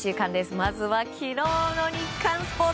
まずは昨日の日刊スポーツ。